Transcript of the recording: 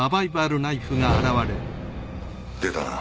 出たな。